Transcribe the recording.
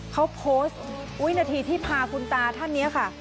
เขาโพสต์วินาทีที่พาคุณตาท่านนี้ค่ะ